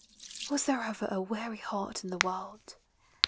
Was there ever a weary heart in the world?